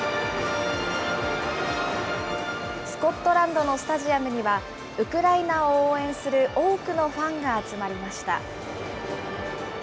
スコットランドのスタジアムにはウクライナを応援する多くのファンが集まりました。